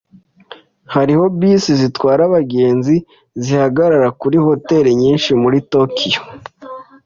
Hariho bisi zitwara abagenzi zihagarara kuri hoteri nyinshi muri Tokiyo.